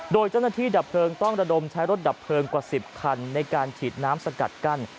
โดยเจ้าหน้าที่ดับเพลิงต้องระดมใช้รถดับเพลิงกว่า๑๐คันในการฉีดน้ำสกัดกั้น